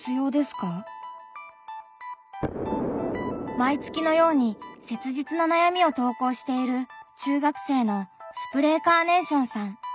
毎月のように切実な悩みを投稿している中学生のスプレーカーネーションさん。